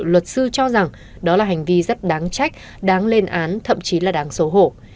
luật sư cho rằng đó là hành vi rất đáng trách đáng lên án thậm chí là đáng xấu hổ